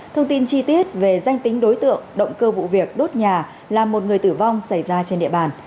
thông tin chi tiết về danh tính đối tượng động cơ vụ việc đốt nhà làm một người tử vong xảy ra trên địa bàn